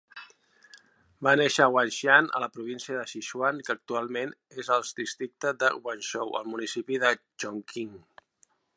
Va néixer a Wanxian, a la província de Sichuan, que actualment és els districte de Wanzhou, al municipi de Chongqing.